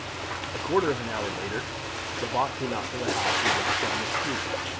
A quarter of an hour later Lebat came out of the house and walked down the street.